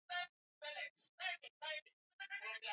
kitovu cha utawala kilirudi Uajemi wenyewe chini ya nasaba za